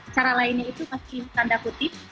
cara lainnya itu masih tanda kutip